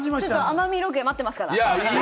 奄美ロケ、待ってますから。